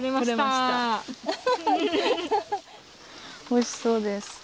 おいしそうです。